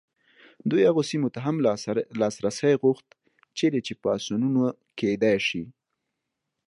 دوی هغو سیمو ته هم لاسرسی غوښت چیرې چې پاڅونونه کېدای شي.